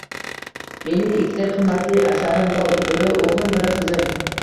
“Mening ikkita qimmatli “asarim” bor: biri-o’glim, biri-qizim!”